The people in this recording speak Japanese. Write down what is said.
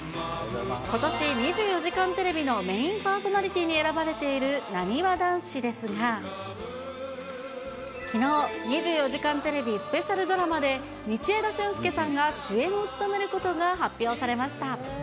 ことし２４時間テレビのメインパーソナリティーに選ばれているなにわ男子ですが、きのう、２４時間テレビスペシャルドラマで、道枝駿佑さんが主演を務めることが発表されました。